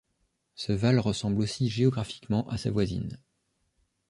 Ce val ressemble aussi géographiquement à sa voisine.